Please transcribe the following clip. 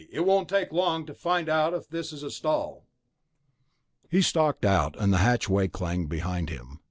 It won't take long to find out if this is a stall...." He stalked out, and the hatchway clanged behind him.